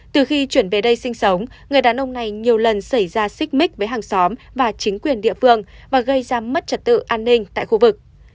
từ khi chuyển về đây sinh sống người đàn ông này nhiều lần xảy ra xích mích với hàng xóm và chính quyền địa phương và gây ra mất trật tự an ninh tại khu vực